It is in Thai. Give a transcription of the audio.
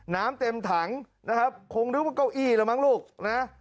น้ำเต็มถังนะครับคงนึกว่าเก้าอี้แล้วมั้งลูกนะ